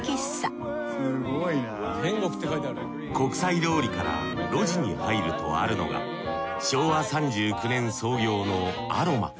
国際通りから路地に入るとあるのが昭和３９年創業のアロマ。